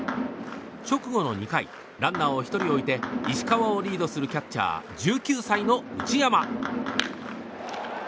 直後の２回ランナーを１人置いて石川をリードするキャッチャー１９歳の内山。